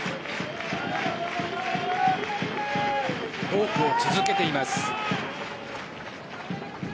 フォークを続けています。